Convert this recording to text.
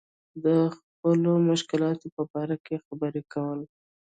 د خپلو مشکلاتو په باره کې خبرې کول.